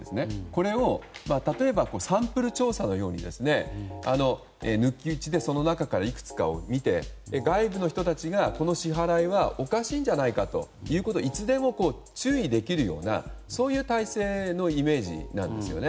これを例えばサンプル調査のように抜き打ちでその中から、いくつかを見て外部の人たちがこの支払いはおかしいじゃないかということをいつでも注意できるような体制のイメージですね。